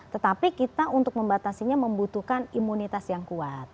tetapi kita untuk membatasinya membutuhkan imunitas yang kuat